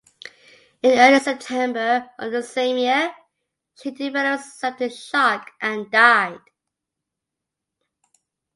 In early September of the same year, she developed septic shock and died.